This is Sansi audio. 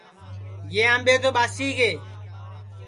یہ آمٻے تو ٻاسی گے